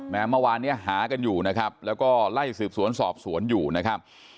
เมื่อวานเนี้ยหากันอยู่นะครับแล้วก็ไล่สืบสวนสอบสวนอยู่นะครับ